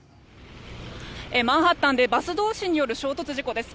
マンハッタンでバス同士による衝突事故です。